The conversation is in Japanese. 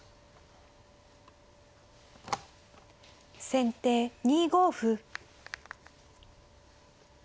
先手２五歩。